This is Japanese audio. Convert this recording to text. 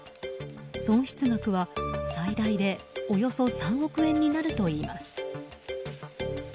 損失額は最大でおよそ３億円になるといいます。